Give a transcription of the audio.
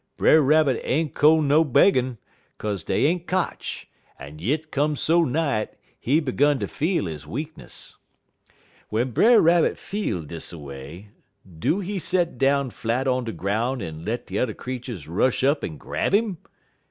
Brer Rabbit ain't ko no beggin', 'kaze dey ain't kotch; yit dey come so nigh it, he 'gun ter feel he weakness. "W'en Brer Rabbit feel dis a way, do he set down flat er de groun' en let de t'er creeturs rush up en grab 'im?